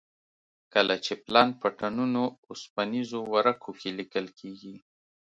کله چې پلان په ټنونو اوسپنیزو ورقو کې لیکل کېږي.